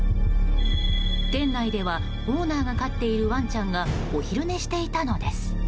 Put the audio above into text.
店内ではオーナーが飼っているワンちゃんがお昼寝していたのです。